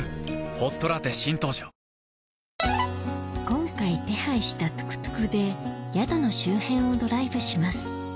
今回手配したトゥクトゥクで宿の周辺をドライブします